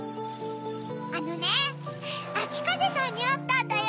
あのねあきかぜさんにあったんだよ！